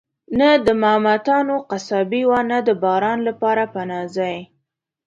نه د ماموتانو قصابي وه، نه د باران لپاره پناه ځای.